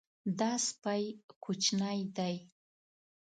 دا سپی کوچنی دی.